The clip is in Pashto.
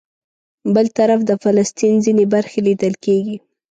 بل طرف د فلسطین ځینې برخې لیدل کېږي.